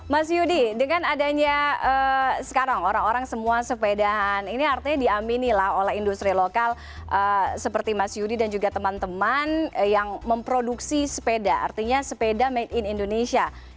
mas yudi dengan adanya sekarang orang orang semua sepedahan ini artinya diamini lah oleh industri lokal seperti mas yudi dan juga teman teman yang memproduksi sepeda artinya sepeda made in indonesia